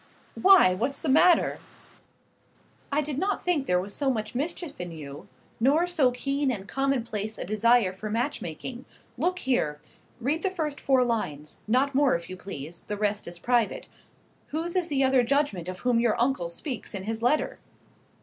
"Why, what's the matter?" "I did not think there was so much mischief in you, nor so keen and commonplace a desire for match making. Look here. Read the first four lines; not more, if you please; the rest is private. Whose is the other judgment of whom your uncle speaks in his letter?"